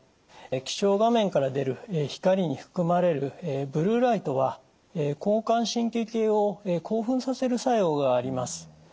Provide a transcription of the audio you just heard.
液晶画面から出る光に含まれるブルーライトは交感神経系を興奮させる作用があります。